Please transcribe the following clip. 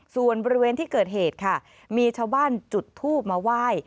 ส่วนบริเวณที่เกิดเหตุค่ะมีชาวบ้านจุดทูบมาไหว้